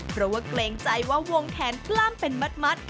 เพราะว่าเกรงใจว่าวงแขนกล้ามเป็นมัด